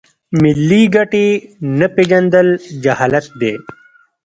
ملي ګټې نه پیژندل جهالت دی.